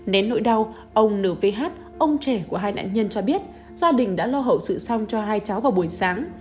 nén nỗi đau ông nth ông trẻ của hai nạn nhân cho biết gia đình đã lo hậu sự xong cho hai cháu vào buổi sáng